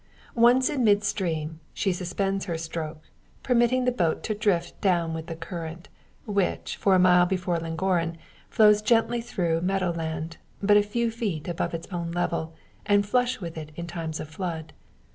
Once in mid stream, she suspends her stroke, permitting the boat to drift down with the current; which, for a mile below Llangorren, flows gently through meadow land, but a few feet above its own level, and flush with it in times of flood.